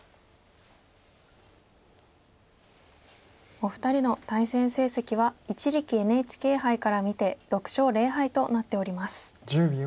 お二人の対戦成績は一力ＮＨＫ杯から見て６勝０敗となっております。